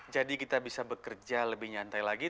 jadi kita bisa bekerja lebih nyantai lagi